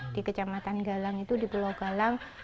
di kecamatan galang itu di pulau galang